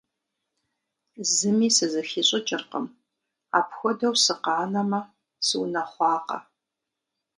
Зыми сызэхищӀыкӀыркъым. Апхуэдэу сыкъанэмэ сыунэхъуакъэ.